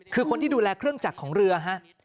คือคนที่ดูแลเครื่องจักรของเรือฮะ